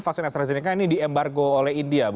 vaksin astrazeneca ini diembargo oleh india